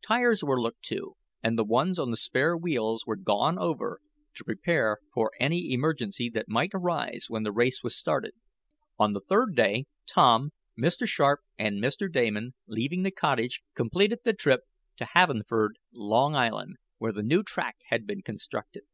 Tires were looked to, and the ones on the spare wheels were gone over to prepare for any emergency that might arise when the race was started. On the third day, Tom, Mr. Sharp and Mr. Damon, leaving the cottage completed the trip to Havenford, Long Island, where the new track had been constructed.